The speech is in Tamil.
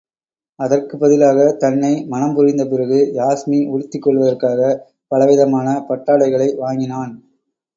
அதற்குப் பதிலாக, தன்னை மணம்புரிந்த பிறகு, யாஸ்மி உடுத்திக் கொள்வதற்காகப் பலவிதமான பட்டாடைகளை வாங்கினான்.